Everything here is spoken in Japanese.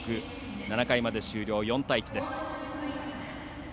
７回まで終了、４対１です。